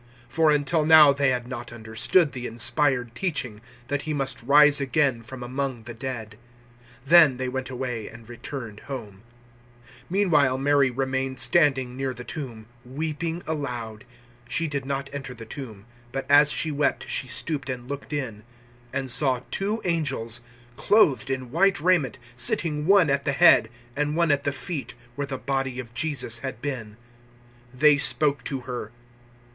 020:009 For until now they had not understood the inspired teaching, that He must rise again from among the dead. 020:010 Then they went away and returned home. 020:011 Meanwhile Mary remained standing near the tomb, weeping aloud. She did not enter the tomb, but as she wept she stooped and looked in, 020:012 and saw two angels clothed in white raiment, sitting one at the head and one at the feet where the body of Jesus had been. 020:013 They spoke to her.